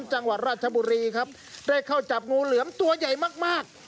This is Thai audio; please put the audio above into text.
จังหวัดราชบุรีครับได้เข้าจับงูเหลือมตัวใหญ่มากมาก